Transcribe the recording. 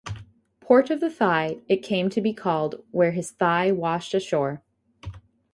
"Port of the Thigh" it came to be called where his thigh washed ashore.